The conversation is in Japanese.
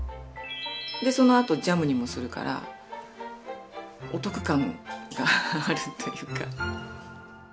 でそのあとジャムにもするからお得感があるというか。